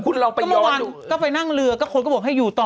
ก็มาวั้งเข้านั่งเรือก็คนก็บอกให้อยู่ต่อ